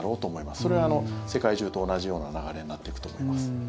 それは世界中と同じような流れになっていくと思います。